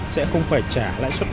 sẽ không phải trả lãi suất